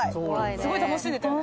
すごい楽しんでたよね。